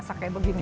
masak kayak begini